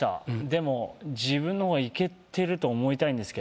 でも自分の方がいけてると思いたいんですけど。